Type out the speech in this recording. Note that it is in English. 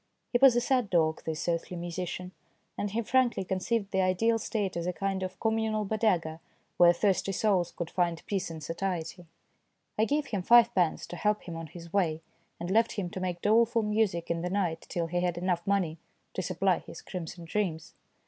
He was a sad dog, this earthly musician, and he frankly conceived the ideal state as a kind of com munal Bodega where thirsty souls could find peace in satiety. I gave him fivepence to 196 THE FLUTE PLAYER help him on his way, and left him to make doleful music in the night till he had enough money to supply his crimson dreams.